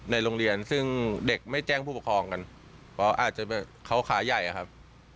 ในโรงเรียนซึ่งเด็กไม่แจ้งผู้ปกครองกันเพราะอาจจะแบบเขาขาใหญ่อะครับ